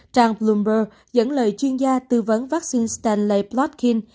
trang bloomberg dẫn lời chuyên gia tư vấn vaccine stanley plotkin